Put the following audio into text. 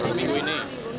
selama minggu ini